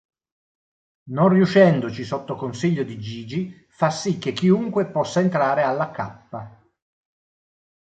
Non riuscendoci sotto consiglio di Gigi fa si che chiunque possa entrare alla Kappa.